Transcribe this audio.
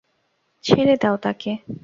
ছেড়ে দাও তাকে!